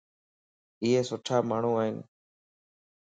ايي سٺا ماڻھو ائين.